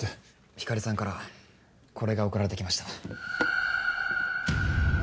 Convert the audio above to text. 光莉さんからこれが送られて来ました。